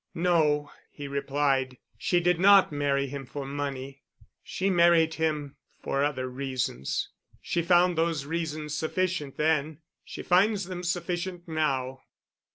"No," he replied. "She did not marry him for money. She married him—for other reasons. She found those reasons sufficient then—she finds them sufficient now."